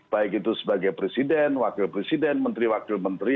baik itu sebagai presiden wakil presiden menteri wakil menteri